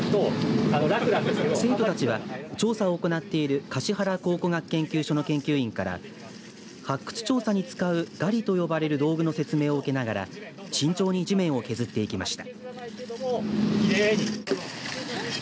生徒たちは調査を行っている橿原考古学研究所の研究員から発掘調査に使う、がりと呼ばれる道具の説明を受けながら慎重に地面を削っていきました。